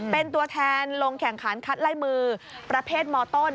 เป็นตัวแทนลงแข่งขันคัดไล่มือประเภทมต้น